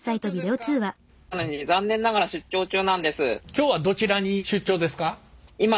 今日はどちらに出張ですか？